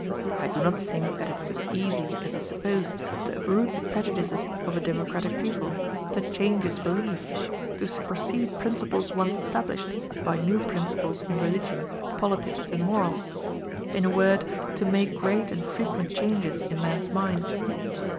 I do not think that it is as easy as is supposed to uproot the prejudices of a democratic people to change its belief to supersede principles once established, by new principles in religion, politics, and morals in a word, to make great and frequent changes in men's minds.